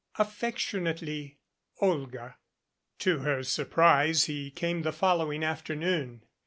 Affectionately, OLGA. To her surprise, he came the following afternoon.